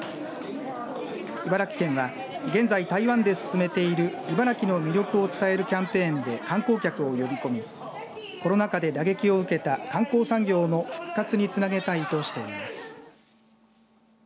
茨城県を現在台湾で進めている茨城の魅力を伝えるキャンペーンで観光客を呼び込みコロナ禍で打撃を受けた観光産業の復活につなげたいとしています。